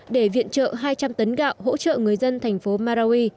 để viện trợ hai trăm linh tấn gạo hỗ trợ người dân thành phố marawi